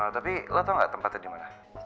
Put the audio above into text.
tapi lo tau nggak tempatnya di mana